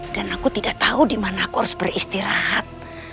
dan aku tidak tahu di mana aku harus beristirahat